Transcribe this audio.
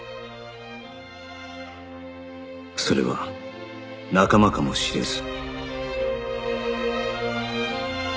それは仲間かもしれず